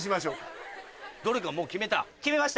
どれかもう決めた？